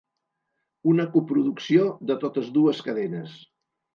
Una coproducció de totes dues cadenes.